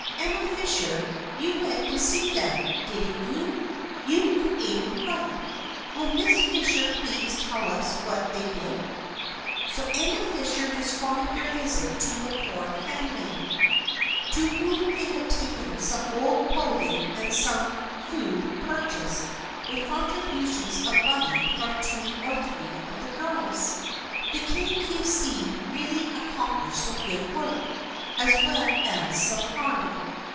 Emma Fisher, you went to see them, didn't you ? You and Amy Wright. Will Miss Fisher please tell us what they did ?" So Emma Fisher described their visit to the poor family, to whom they had taken some old clothing and some food purchased with contributions of money from two or three of the girls. The Kay Cue See really accomplished some good work, as well as some harm.